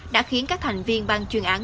đã khiến các thành viên ban chuyên án